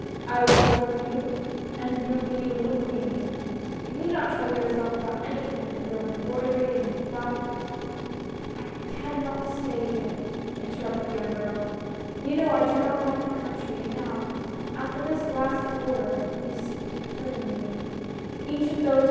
I would work for you, and you would be a little queen. You need not trouble yourself about anything but your embroidery and your flowers "" I can not stay here," interrupted the young girl ;" you know I do not like the country ; and now, after this last horror, it is simply killing me 1 Each of those DEPARTURE.